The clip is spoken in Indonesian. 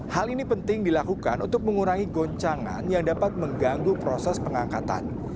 hal ini penting dilakukan untuk mengurangi goncangan yang dapat mengganggu proses pengangkatan